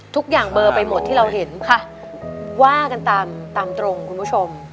ทุกอย่างเบอร์ไปหมดที่เราเห็นค่ะว่ากันตามตรงคุณผู้ชม